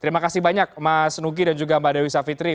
terima kasih banyak mas nugi dan juga mbak dewi savitri